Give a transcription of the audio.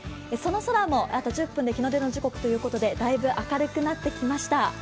その空もあと１５分で日の出の時刻ということでだいぶ明るくなってきました。